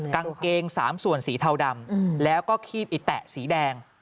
กางเกง๓ส่วนสีเทาดำแล้วก็คีบอิแตะสีแดง